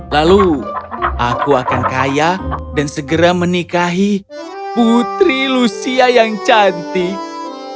lalu aku akan kaya dan segera menikahi putri lucia yang cantik